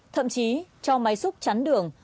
thậm chí cho máy xúc chắn đường